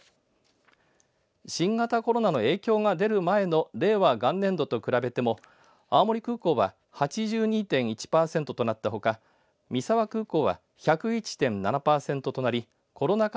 新型コロナの影響が出る前の令和元年度と比べても青森空港は８２．１パーセントとなったほか三沢空港は１０１．７パーセントとなりコロナ禍